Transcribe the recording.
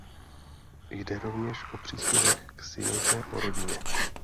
Jde rovněž o příspěvek k Synodě o rodině.